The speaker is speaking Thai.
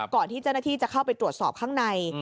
ก่อนที่เจ้าหน้าที่จะเข้าไปตรวจสอบข้างใน